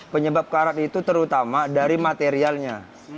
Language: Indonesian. penyebab karat itu terutama dari materialnya